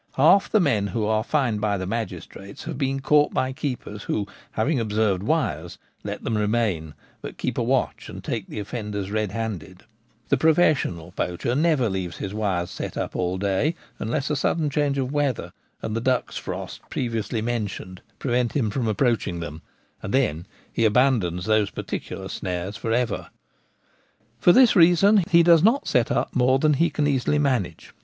Half the men who are fined by the magistrates have been caught by keepers who, having observed wires, let them remain ; but keep a watch and take the offenders red handed. The professional poacher never leaves his wires set up all day, unless a sudden change of weather and the duck's frost previously mentioned prevent him from approaching them, and then he abandons those particular snares 152 The Gamekeeper at Home. for ever. For this reason he does not set up more than he can easily manage.